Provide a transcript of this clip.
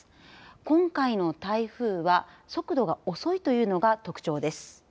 今回の台風は速度が遅いというのが特徴です。